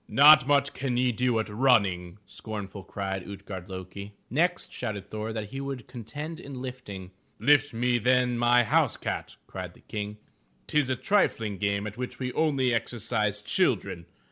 "Not much can ye do at running,'' scornful, cried Ut'gard lo'ki. Next shouted Thor that he would contend in lifting. "Lift me then my house cat,'* cried the King. " 'Tis a triflng game at which we only exercise children.